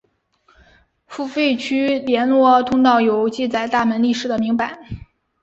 付费区外联络通道有记载大门历史的铭版。